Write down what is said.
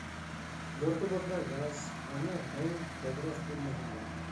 Йортобоҙҙа газ, ҡайнар һыу, бәҙрәф бүлмәһе бар.